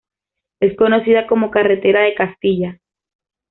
Es conocida como carretera de Castilla.